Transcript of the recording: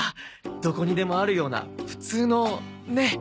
どこにでもあるような普通のね。